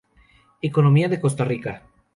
Economía de Costa Rica